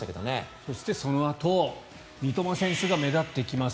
そして、そのあと三笘選手が目立ってきます。